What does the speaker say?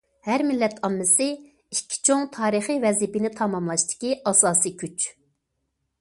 ھەر مىللەت ئاممىسى ئىككى چوڭ تارىخىي ۋەزىپىنى تاماملاشتىكى ئاساسىي كۈچ.